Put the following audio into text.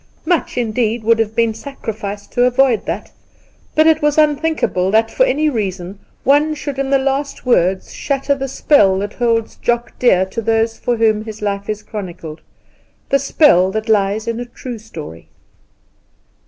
Much, indeed, would have been sacrificed to avoid that; but it was unthinkable that, for any reason, one should in the last words shatter the spell that holds Jock dear to those for whom his life is chronicled the spell that lies in 'a true story.'